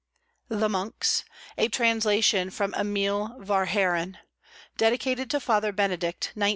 THE MONKS A translation from EMILE VERHAEREN. Dedicated to Father Benedict, 1905.